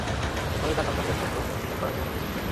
ফলে তাঁর সন্তানদের মধ্যেও অস্বীকার করার প্রবণতা সৃষ্টি হয়।